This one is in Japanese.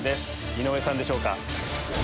井上さんでしょうか？